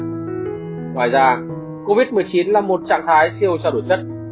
ngoài ra covid một mươi chín là một trạng thái siêu trao đổi chất